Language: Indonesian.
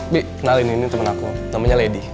bi kenalin ini temen aku namanya lady